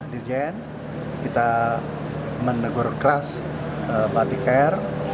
dirjen kita menegur keras batik air